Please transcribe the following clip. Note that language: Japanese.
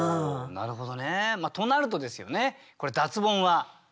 なるほど。